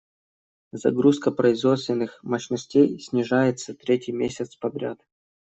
Загрузка производственных мощностей снижается третий месяц подряд.